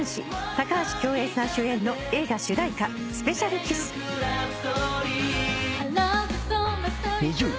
高橋恭平さん主演の映画主題歌『ＳｐｅｃｉａｌＫｉｓｓ』ＮｉｚｉＵ。